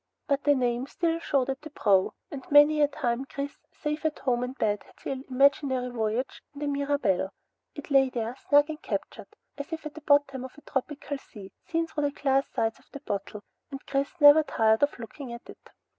But the name still showed at the prow, and many a time Chris, safe at home in bed, had sailed imaginary voyages in the Mirabelle. It lay there snug and captured, as if at the bottom of a tropical sea, seen through the glass sides of the bottle, and Chris never tired of looking at it.